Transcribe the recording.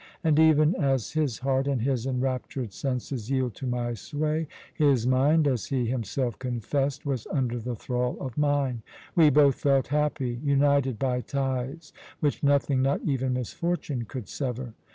And even as his heart and his enraptured senses yielded to my sway, his mind, as he himself confessed, was under the thrall of mine. We both felt happy, united by ties which nothing, not even misfortune, could sever.